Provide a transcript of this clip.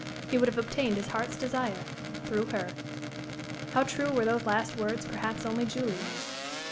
He would have obtained his heart's desire through her. How true were those last words, perhaps only Julie knew.